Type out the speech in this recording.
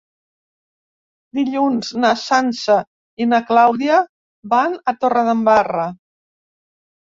Dilluns na Sança i na Clàudia van a Torredembarra.